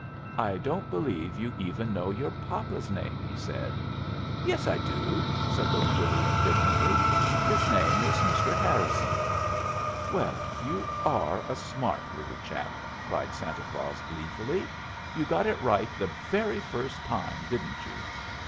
"I don't believe you even know your papa's name," he said. "Yes, I do," said Little Billee indignantly. "His name is Mr. Harrison." "Well, you are a smart little chap," cried Santa Claus gleefully. "You got it right the very first time, didn't you?